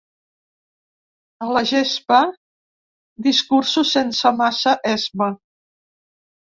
A la gespa discursos sense massa esma.